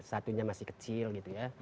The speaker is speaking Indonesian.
satunya masih kecil gitu ya